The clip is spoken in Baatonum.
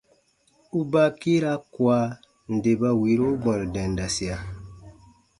U baa kiira kua nde ba wiiro bwɛ̃ru dendasia.